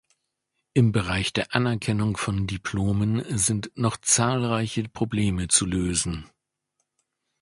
Im Bereich der Anerkennung von Diplomen sind noch zahlreiche Probleme zu lösen.